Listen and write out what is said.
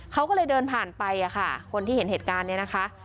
เขาก็เลยเดินผ่านไปค่ะคนที่เห็นเหตุการณ์เนี่ยนะคะ